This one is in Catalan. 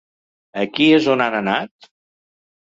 Aquí és on han anat?